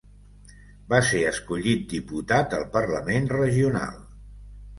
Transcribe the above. Va ser escollit diputat al parlament regional.